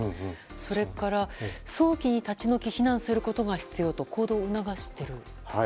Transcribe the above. それから、早期に立ち退き避難することが必要と行動を促しています。